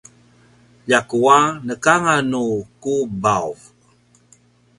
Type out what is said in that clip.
ljakua nekanganu kubav